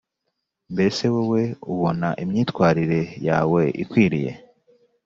mbese wowe ubona imyitwarire yawe ikwiriye